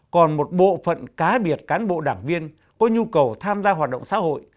còn một bộ phận cá biệt cán bộ đảng viên có nhu cầu tham gia hoạt động xã hội